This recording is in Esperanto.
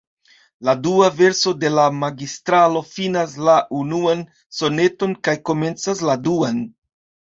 La dua verso de la Magistralo finas la unuan soneton kaj komencas la duan.